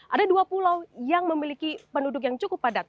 ada dua pulau yang memiliki penduduk yang cukup padat